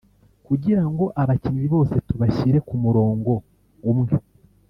kugira ngo abakinnyi bose tubashyire ku murongo umwe